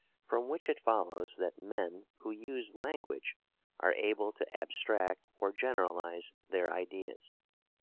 From which it follows that men who use language are able to abstract or generalize their ideas.